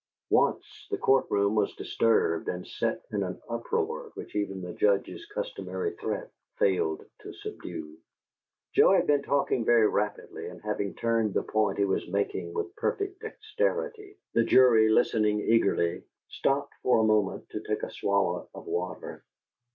Once the court room was disturbed and set in an uproar which even the Judge's customary threat failed to subdue. Joe had been talking very rapidly, and having turned the point he was making with perfect dexterity, the jury listening eagerly, stopped for a moment to take a swallow of water.